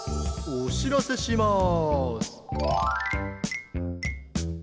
おしらせします。